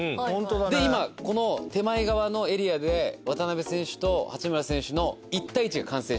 で今この手前側のエリアで渡邊選手と八村選手の１対１が完成したんですよ。